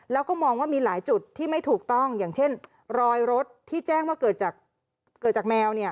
แล้วก็มองว่ามีหลายจุดที่ไม่ถูกต้องอย่างเช่นรอยรถที่แจ้งว่าเกิดจากแมว